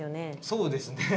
そうですね。